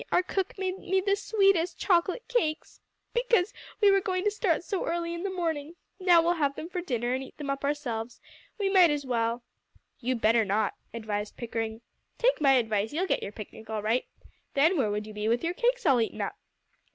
our cook made me the sweetest chocolate cakes, because we were going to start so early in the morning. Now we'll have them for dinner, and eat them up ourselves. We might as well." "You better not," advised Pickering. "Take my advice; you'll get your picnic all right; then where would you be with your cakes all eaten up?"